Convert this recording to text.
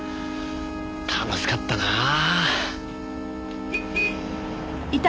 楽しかったなぁ。